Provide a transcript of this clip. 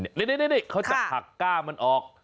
นี่เขาจะหักก้ามันออก